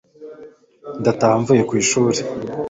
ndataha mvuye ku ishuri